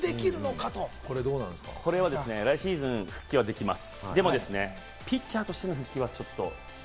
来シーズンの復帰はできます。